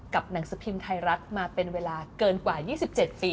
หนังสือพิมพ์ไทยรัฐมาเป็นเวลาเกินกว่า๒๗ปี